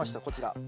こちら。